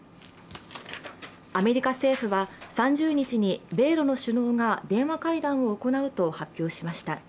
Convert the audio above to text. アメリカ政府は３０日に米ロの首脳が電話会談を行うと発表しました。